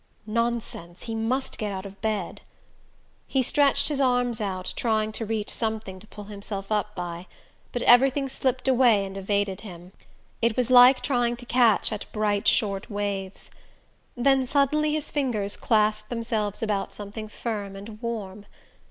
Nonsense! He must get out of bed. He stretched his arms out, trying to reach something to pull himself up by; but everything slipped away and evaded him. It was like trying to catch at bright short waves. Then suddenly his fingers clasped themselves about something firm and warm.